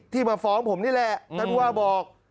ที่มาฟ้องผมนี่แหละท่านว่าบอก